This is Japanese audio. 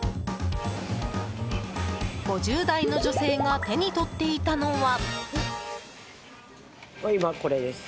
５０代の女性が手に取っていたのは。